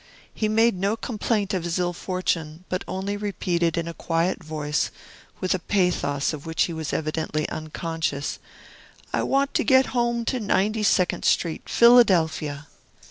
He made no complaint of his ill fortune, but only repeated in a quiet voice, with a pathos of which he was himself evidently unconscious, "I want to get home to Ninety second Street, Philadelphia."